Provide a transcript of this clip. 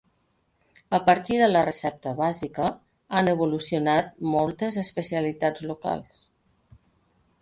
A partir de la recepta bàsica han evolucionat moltes especialitats locals.